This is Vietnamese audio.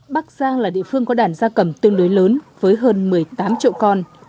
bắc giang là địa phương có đàn gia cầm tương đối lớn với hơn một mươi tám triệu con